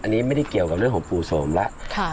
อันนี้ไม่ได้เกี่ยวกับเรื่องของปู่โสมแล้ว